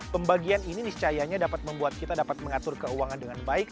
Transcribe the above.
pembagian ini niscayanya dapat membuat kita dapat mengatur keuangan dengan baik